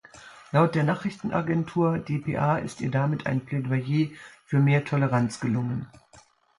Laut der Nachrichtenagentur dpa ist ihr damit "ein Plädoyer für mehr Toleranz" gelungen.